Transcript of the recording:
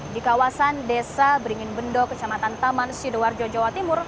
di kawasan desa beringinbendo kecamatan taman sidoarjo jawa timur